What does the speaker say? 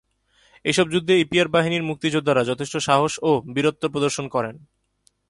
এসব যুদ্ধে ইপিআর বাহিনীর মুক্তিযোদ্ধারা যথেষ্ট সাহস ও বীরত্ব প্রদর্শন করেন।